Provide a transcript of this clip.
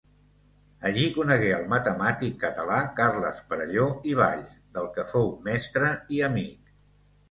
Allí conegué el matemàtic català Carles Perelló i Valls, del que fou mestre i amic.